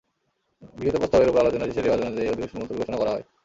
গৃহীত প্রস্তাবের ওপর আলোচনা শেষে রেওয়াজ অনুযায়ী অধিবেশন মুলতুবি ঘোষণা করা হয়।